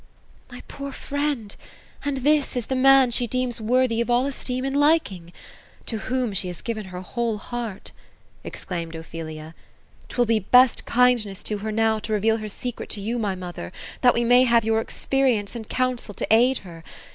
" My poor friend 1 And this is the man she deems worthy of all esteem and liking. To whom she has given her whole heart 1" exclaimed Ophelia, " 'Twill be best kindness to her now, to reveal her secret to you my mother, that we may have your experience and counsel to aid her.